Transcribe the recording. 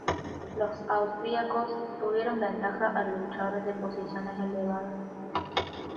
Los austriacos tuvieron ventaja al luchar desde posiciones elevadas.